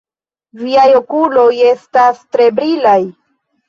Viaj okuloj estas tre brilaj!